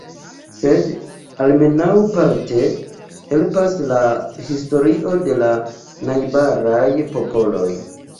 Sed, almenaŭ parte, helpas la historio de la najbaraj popoloj.